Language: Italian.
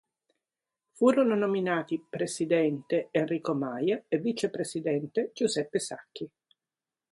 Furono nominati presidente Enrico Mayer e vicepresidente Giuseppe Sacchi.